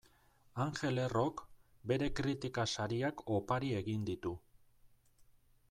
Angel Errok bere kritika sariak opari egin ditu.